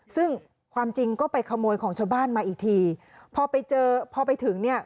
ซึ่งความจริงก็ไปขโมยของชาวบ้านมาอีกทีพอไปเจอพอไปถึงเนี่ย